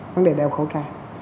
vấn đề đeo khẩu trang